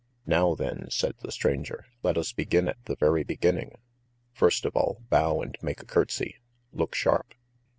"Now then," said the stranger, "let us begin at the very beginning. First of all, bow and make a curtsey! Look sharp!"